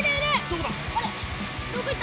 どこだ？